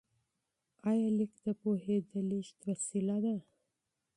آیا لیک د پوهې د لیږد وسیله ده؟